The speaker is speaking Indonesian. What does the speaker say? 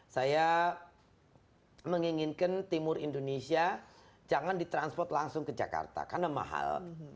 saya menginginkan timur indonesia jangan ditransport langsung ke jakarta karena mahal